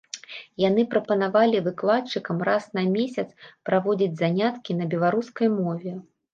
Яны прапанавалі выкладчыкам раз на месяц праводзіць заняткі на беларускай мове.